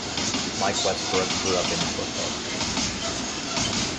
Mike Westbrook grew up in Torquay.